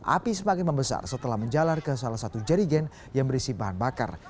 api semakin membesar setelah menjalar ke salah satu jerigen yang berisi bahan bakar